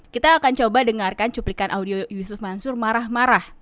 kita akan coba dengarkan cuplikan audio yusuf mansur marah marah